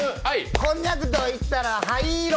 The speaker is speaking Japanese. こんにゃくといったら灰色。